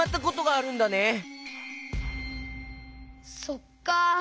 そっか。